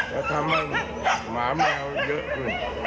แล้วถ้ามันหมาแมวเยอะขึ้น